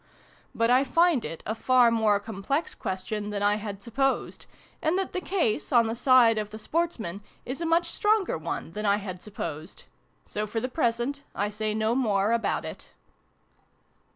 But I find it a far more complex question than I had supposed ; and that the ' case ', on the side of the Sportsman, is a much stronger one than I had supposed. So, for the present, I say no more about it.